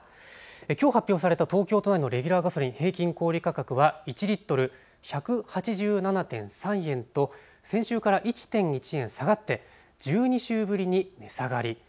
きょう発表された東京都内のレギュラーガソリン平均小売価格は１リットル１８７．３円と先週から１．１円下がって１２週ぶりに値下がり。